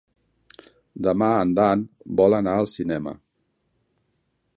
Demà en Dan vol anar al cinema.